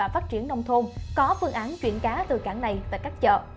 phát triển nông thôn có phương án chuyển cá từ cảng này tại các chợ